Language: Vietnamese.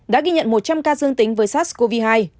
đã ghi nhận một trăm linh ca dương tính với sars cov hai